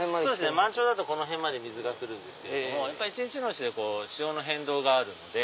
満潮になるとこの辺まで水が来るんですけど一日のうちで潮の変動があるので。